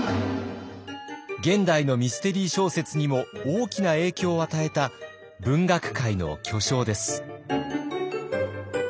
現代のミステリー小説にも大きな影響を与えた文学界の巨匠です。